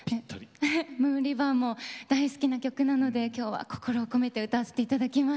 「ムーン・リバー」も大好きな曲なので今日は心を込めて歌わせていただきます。